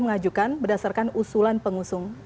mengajukan berdasarkan usulan pengusung